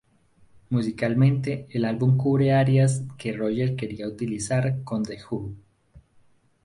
Musicalmente, el álbum cubre áreas que Roger quería utilizar con The Who.